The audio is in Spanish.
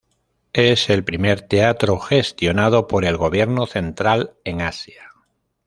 Es el primer teatro gestionado por el gobierno central en Asia.